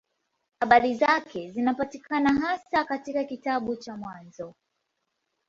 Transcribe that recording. Habari zake zinapatikana hasa katika kitabu cha Mwanzo.